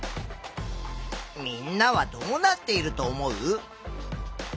みんなはどうなっていると思う？